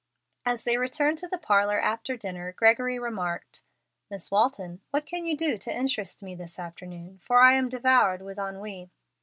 As they returned to the parlor after dinner, Gregory remarked, "Miss Walton, what can you do to interest me this afternoon, for I am devoured with ennui?"